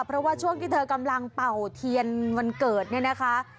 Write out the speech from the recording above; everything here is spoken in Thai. เพราะว่าช่วงที่เธอกำลังเป่าเทียนวันเกิดเนี่ยนะคะ